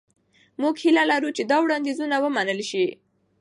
موږ هیله لرو چې دا وړاندیزونه ومنل شي.